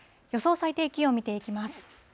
最低気温見ていきます。